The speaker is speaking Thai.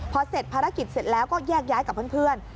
พอเสร็จภารกิจเสร็จแล้วก็แยกย้ายกับเพื่อน